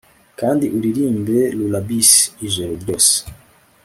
kandi uririmbe lullabies ijoro ryose